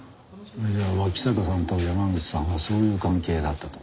じゃあ脇坂さんと山口さんはそういう関係だったと？